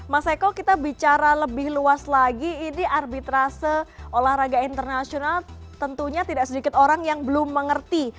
mas eko kita bicara lebih luas lagi ini arbitrase olahraga internasional tentunya tidak sedikit orang yang belum mengerti